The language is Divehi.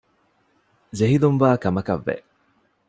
ޖެހިލުންވާ ކަމަކަށް ވެ